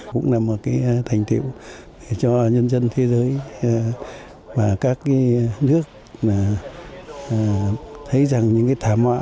cũng là một cái thành tiệu cho nhân dân thế giới và các nước thấy rằng những cái thảm họa